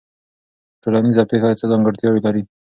یوه ټولنیزه پېښه څه ځانګړتیاوې لري؟